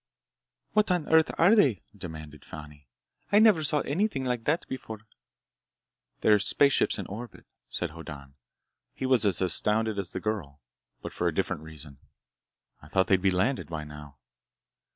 "What on Earth are they?" demanded Fani. "I never saw anything like that before!" "They're spaceships in orbit," said Hoddan. He was as astounded as the girl, but for a different reason. "I thought they'd be landed by now!"